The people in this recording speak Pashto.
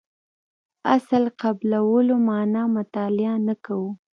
اصل قبلولو معنا مطالعه نه کوو.